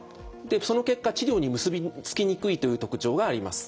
その結果治療に結びつきにくいという特徴があります。